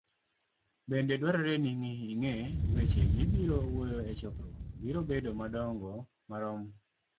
Bende dwarore ni ing'e weche mibiro wuoyoe e chokruok biro bedo madongo marom